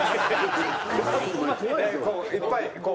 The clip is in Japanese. いっぱいこう。